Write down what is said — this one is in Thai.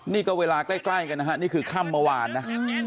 นี่ก็เวลาใกล้กันนะฮะนี่คือค่ำเมื่อวานนะ